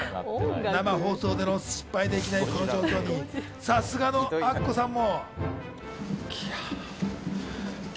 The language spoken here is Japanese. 生放送での失敗できないこの状況にさすがのアッコさんも。